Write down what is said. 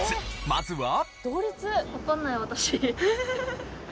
まずは。